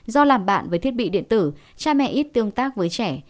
do làm bạn với thiết bị điện tử cha mẹ ít tương tác với trẻ